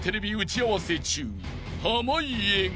［濱家が］